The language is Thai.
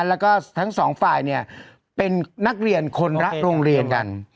แล้วก็ทั้งสองฝ่ายเนี่ยเป็นนักเรียนคนละโรงเรียนกัน